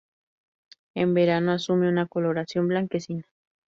En verano asume una coloración blanquecina.